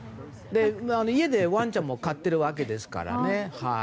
家でワンちゃんも飼ってるわけですからね。